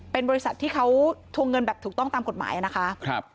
เป็นบริษัทที่เขาทวงเงินแบบถูกต้องตามกฎหมายนะคะ